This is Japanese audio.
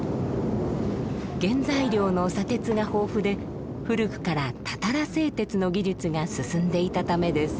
原材料の砂鉄が豊富で古くからたたら製鉄の技術が進んでいたためです。